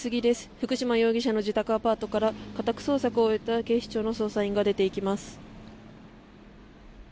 福島容疑者の自宅アパートから家宅捜索を終えた警視庁の捜査員が出ていきます。